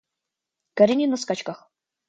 Каренин на скачках.